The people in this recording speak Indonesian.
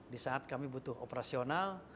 di saat kami butuh operasional